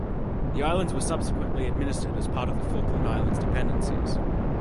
The Islands were subsequently administered as part of the Falkland Islands Dependencies.